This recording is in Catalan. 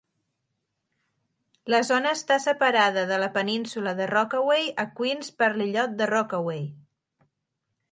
La zona està separada de la península de Rockaway a Queens per l'illot de Rockaway.